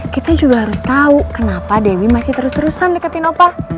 kita juga harus tahu kenapa dewi masih terus terusan deketin opar